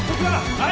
はい！